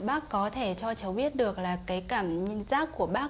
bác có thể cho cháu biết được là cái cảm giác của bác